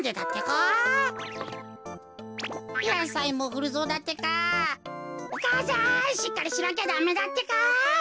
お母さんしっかりしなきゃダメだってか。